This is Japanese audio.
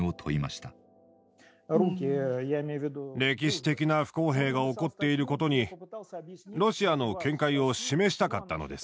歴史的な不公平が起こっていることにロシアの見解を示したかったのです。